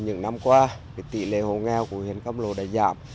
những năm qua tỷ lệ hồ nghèo của huyện câm lô đã giảm